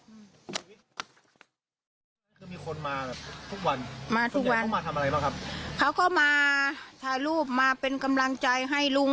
คือมีคนมาแบบทุกวันมาทุกวันเขามาทำอะไรบ้างครับเขาก็มาถ่ายรูปมาเป็นกำลังใจให้ลุง